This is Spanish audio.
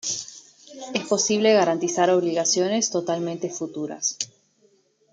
Es posible garantizar obligaciones totalmente futuras.